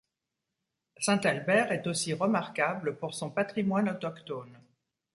Saint-Albert est aussi remarquable pour son patrimoine autochtone.